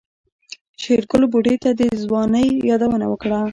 شېرګل بوډۍ ته د ځوانۍ يادونه وکړه.